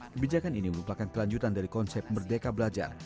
kebijakan ini merupakan kelanjutan dari konsep merdeka belajar